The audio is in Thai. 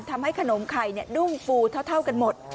ทำให้ขนมไข่ดุ้งฟูเท่ากันหมด